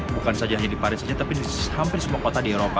bukan saja hanya di paris saja tapi di hampir semua kota di eropa